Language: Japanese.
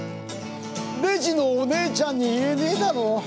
レジのおねえちゃんに言えねえだろ？